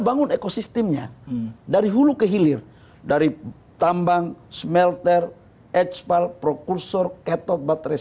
bangun ekosistemnya dari hulu ke hilir dari tambang smelter expal prokursor ketot baterai